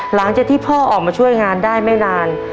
หลังจากที่พ่อออกมาช่วยงานได้ไม่นาน